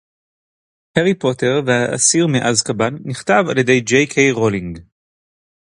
הארי פוטר והאסיר מאזקבאן נכתב על ידי ג'יי קיי רולינג